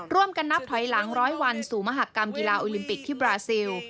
นับถอยหลัง๑๐๐วันสู่มหากรรมกีฬาโอลิมปิกที่บราซิล